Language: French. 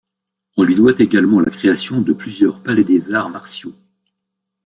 On lui doit également la création de plusieurs palais des arts martiaux.